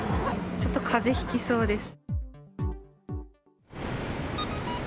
ちょっとかぜひきそうです。